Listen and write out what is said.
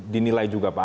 dinilai juga pak